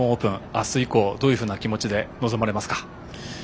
明日以降、どのような気持ちで臨まれますか？